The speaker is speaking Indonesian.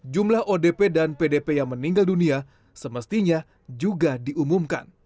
jumlah odp dan pdp yang meninggal dunia semestinya juga diumumkan